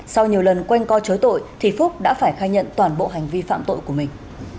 sau nhiều lần quanh co chối tội thì phúc đã phải khai nhận toàn bộ hành vi phạm tội của mình